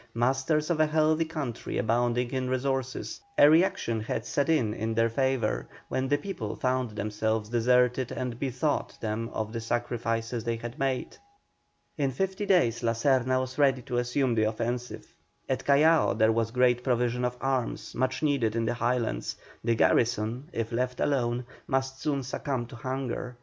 Masters of a healthy country abounding in resources, a reaction had set in in their favour, when the people found themselves deserted and bethought them of the sacrifices they had made. In fifty days La Serna was ready to assume the offensive. At Callao there was great provision of arms much needed in the Highlands; the garrison, if left alone, must soon succumb to hunger.